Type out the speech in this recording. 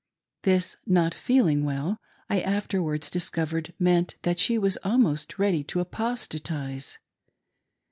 This " not feeling well " I afterwards discovered meant that she was almost ready to apostatize.